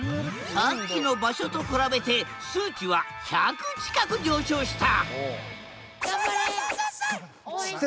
さっきの場所と比べて数値は１００近く上昇した！